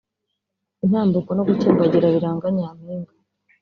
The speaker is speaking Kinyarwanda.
intambuko no gukimbagira biranga Nyampinga